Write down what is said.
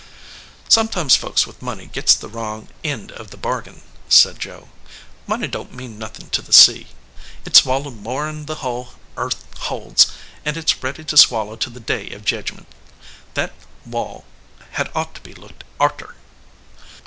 "Sometimes folks with money gits the wrong end of the bargain," said Joe. "Money don t mean nothin to the sea. It s swallowed more n the hull earth holds, and it s ready to swallow till the day of jedgment. That wall had ought to be looked arter."